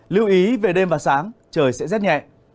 lưu ý về đêm và sáng trời sẽ rét nhẹ